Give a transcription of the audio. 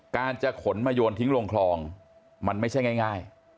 จะขนมาโยนทิ้งลงคลองมันไม่ใช่ง่าย